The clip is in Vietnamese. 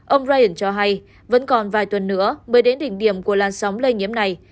ông rayan cho hay vẫn còn vài tuần nữa mới đến đỉnh điểm của làn sóng lây nhiễm này